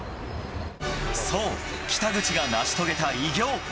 そう、北口が成し遂げた偉業。